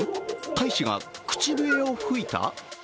大使が口笛を吹いた？